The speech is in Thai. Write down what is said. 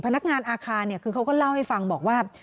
พนักงานอาคารคือเขาก็เล่าให้ฟังบอกว่า